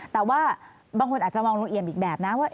แต่ว่าบางคนอาจจะมองลุงเอี่ยมอีกแบบนะว่า